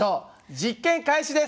実験開始です！